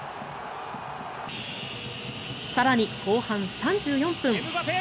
更に後半３４分。